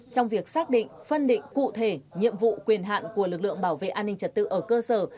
trong việc xác định phân định cụ thể nhiệm vụ quyền hạn của lực lượng bảo vệ an ninh trật tự ở cơ sở